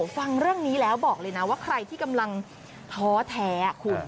ฟังเรื่องนี้แล้วบอกเลยนะว่าใครที่กำลังท้อแท้คุณ